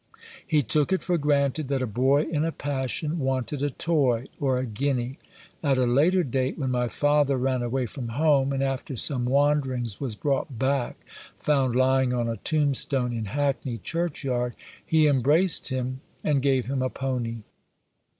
He took it for granted that a boy in a passion wanted a toy or a guinea. At a later date, when my father ran away from home, and after some wanderings was brought back, found lying on a tombstone in Hackney churchyard, he embraced him, and gave him a pony.